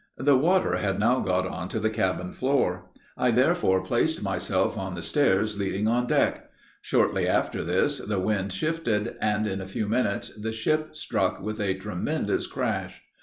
The water had now got on to the cabin floor, I therefore placed myself on the stairs leading on deck. Shortly after this the wind shifted, and in a few minutes the ship struck with a tremendous crash.